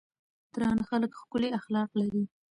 درانۀ خلک ښکلي اخلاق لري.